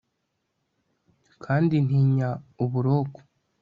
kandi ntinya uburoko